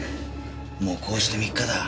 もうこうして３日だ。